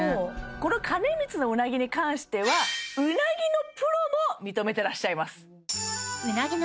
この兼光のうなぎに関してはうなぎのプロも認めてらっしゃいます